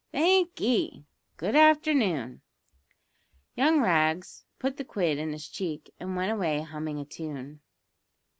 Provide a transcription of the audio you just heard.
"Thank'ee. Good afternoon." Young Rags put the quid in his cheek, and went away humming a tune.